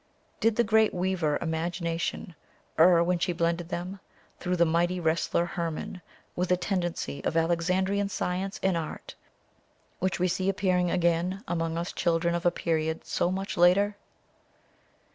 Did the great weaver Imagination err when she blended them, through the mighty wrestler Hermon, with a tendency of Alexandrian science and art, which we see appearing again among us children of a period so much later?